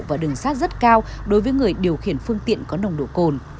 và đường sát rất cao đối với người điều khiển phương tiện có nồng độ cồn